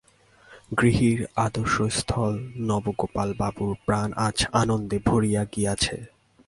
গৃহীর আদর্শস্থল নবগোপাল বাবুর প্রাণ আজ আনন্দে ভরিয়া গিয়াছে।